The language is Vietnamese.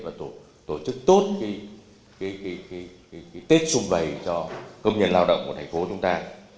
và tổ chức tốt cái tết xung vầy cho công nhân lao động của thành phố chúng ta